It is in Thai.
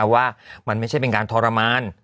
ว่ามันไม่ใช่เป็นการทรมาน